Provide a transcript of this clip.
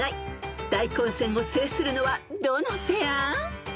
［大混戦を制するのはどのペア？］